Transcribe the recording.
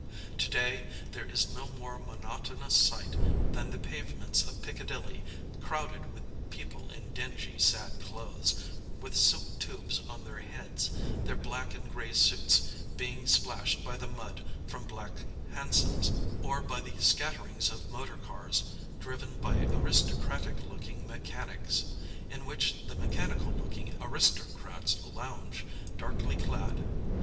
To day there is no more monotonous sight than the pavements of Piccadilly crowded with people in dingy, sad clothes, with silk tubes on their heads, their black and gray suits being splashed by the mud from black hansoms, or by the scatterings of motor cars driven by aristocratic looking mechanics, in which mechanical looking aristocrats lounge, darkly clad.